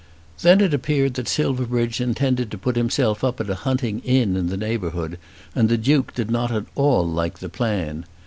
Then it appeared that Silverbridge intended to put himself up at a hunting inn in the neighbourhood, and the Duke did not at all like the plan.